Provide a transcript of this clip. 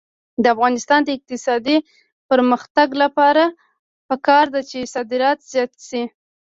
د افغانستان د اقتصادي پرمختګ لپاره پکار ده چې صادرات زیات شي.